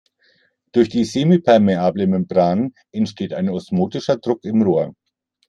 Durch die semipermeable Membran entsteht ein osmotischer Druck im Rohr.